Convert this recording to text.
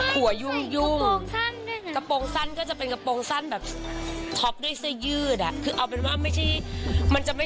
แต่ว่าวันนี้คือเป็นแบบลุคที่แบบขัดใจหนู